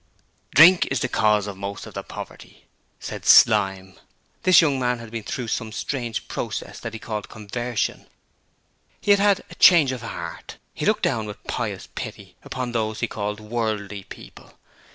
'Drink is the cause of most of the poverty,' said Slyme. This young man had been through some strange process that he called 'conversion'. He had had a 'change of 'art' and looked down with pious pity upon those he called 'worldly' people.